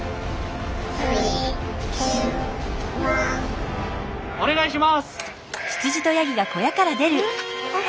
お願いします！